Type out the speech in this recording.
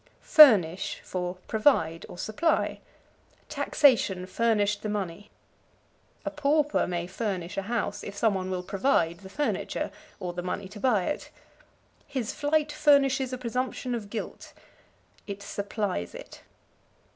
Furnish for Provide, or Supply. "Taxation furnished the money." A pauper may furnish a house if some one will provide the furniture, or the money to buy it. "His flight furnishes a presumption of guilt." It supplies it.